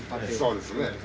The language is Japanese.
そうですね。